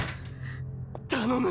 頼む！